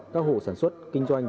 các hộ sản xuất kinh doanh